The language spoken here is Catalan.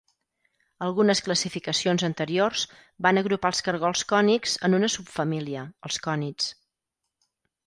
Algunes classificacions anteriors van agrupar els cargols cònics en una subfamília, els cònids.